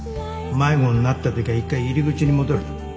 迷子になった時は一回入り口に戻る。